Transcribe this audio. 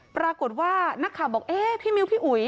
ปรากฏว่านักข่าวบอกเอ๊ะพี่มิ้วพี่อุ๋ย